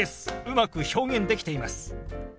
うまく表現できています。